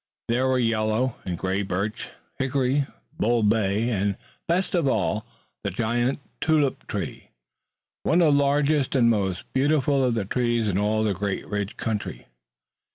There were yellow and gray birch, hickory, the bull bay, and best of all, the giant tulip tree, one of the largest and most beautiful of the trees in all the great Ridge country.